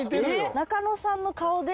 中野さんの顔で。